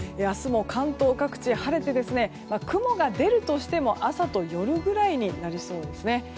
明日も関東各地晴れて雲が出るとしても朝と夜くらいになりそうですね。